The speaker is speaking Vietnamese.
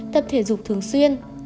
tập thể dục thường xuyên